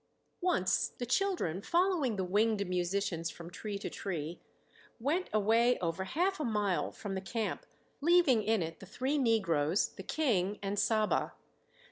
Once the children, following the winged musicians from tree to tree, went away over half a mile from the camp, leaving in it the three negroes, the King, and Saba.